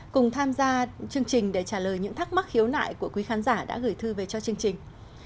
cùng tham gia chương trình để trả lời những thắc mắc khiếu nại của quý khán giả đã gửi thư về cho chương trình